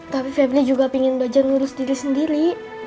tapi febly juga ingin belajar ngurus diri sendiri